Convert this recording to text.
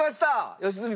良純さん。